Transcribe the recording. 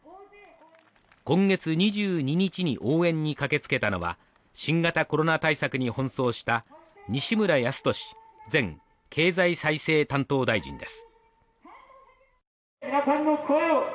今月２２日に応援に駆けつけたのは新型コロナ対策に奔走した西村康稔前経済再生担当大臣です